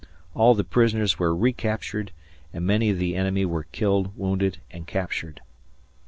All the prisoners were recaptured, and many of the enemy were killed, wounded, and captured.